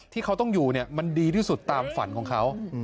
ที่เขาต้องอยู่มันดีที่สุดตามฝันของเขา